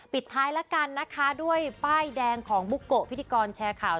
ปิดท้ายละกันด้วยแป้นแดนของก็พิธีกรแชร์ข่าว